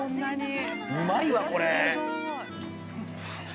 うまいわ、これ。